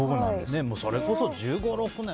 それこそ１５１６年。